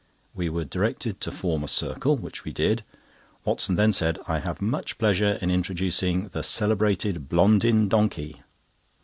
'" We were directed to form a circle—which we did. Watson then said: "I have much pleasure in introducing the celebrated Blondin Donkey."